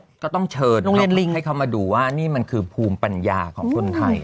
อันนี้ก็ต้องเชิญลงก์แฮกขามาดูว่ามันมันคือภูมิปัญญาของคนไทย